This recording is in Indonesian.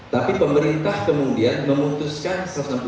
tapi pemerintah kemudian memutuskan satu ratus sembilan puluh